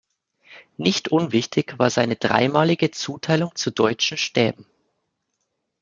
Nicht unwichtig war seine dreimalige Zuteilung zu deutschen Stäben.